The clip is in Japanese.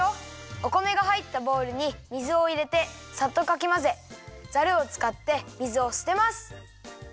お米がはいったボウルに水をいれてサッとかきまぜザルをつかって水をすてます。